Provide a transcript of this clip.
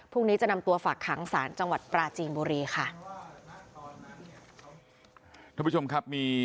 พรุ่งนี้จะนำตัวฝากขังศาลจังหวัดปราจีนบุรีค่ะ